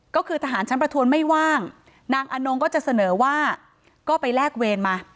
ก็คือทหารชั้นประทวนไม่ว่างนางอนงก็จะเสนอว่าก็ไปแลกเวรมา